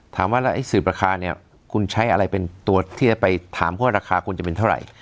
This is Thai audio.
ถามว่าแล้วไอ้สืบราคาเนี่ยคุณใช้อะไรเป็นตัวที่จะไปถามว่าราคาควรจะเป็นเท่าไหร่